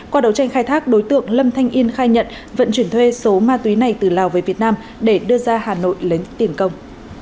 qua đấu tranh khai thác đối tượng lâm thanh yên khai nhận vận chuyển thuê số ma túy này từ lào về việt nam để đưa ra hà nội lấy tiền công